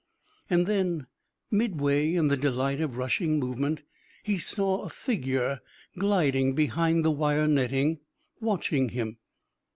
And then, midway in the delight of rushing movement, he saw a figure gliding behind the wire netting, watching him.